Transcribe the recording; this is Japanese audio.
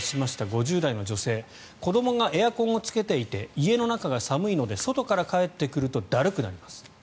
５０代の女性子どもがエアコンをつけていて家の中が寒いので外から帰ってくるとだるくなります。